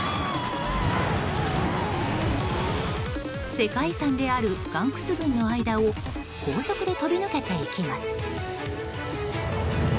世界遺産である岩窟群の間を高速で飛び抜けていきます。